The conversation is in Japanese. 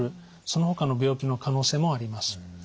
そのほかの病気の可能性もあります。